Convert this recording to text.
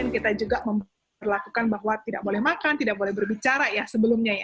kita juga memperlakukan bahwa tidak boleh makan tidak boleh berbicara ya sebelumnya ya